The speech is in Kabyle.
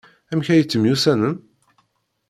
Amek ay temyussanem?